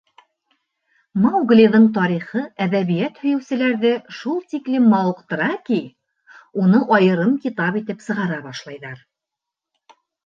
Мауглиҙың тарихы әҙәбиәт һөйөүселәрҙе шул тиклем мауыҡтыра ки, уны айырым китап итеп сығара башлайҙар.